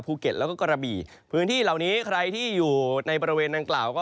แล้วก็กระบี่พื้นที่เหล่านี้ใครที่อยู่ในบริเวณดังกล่าวก็